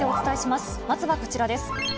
まずはこちらです。